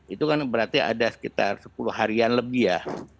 itu kan berarti ada sekitar sepuluh harian lebih ya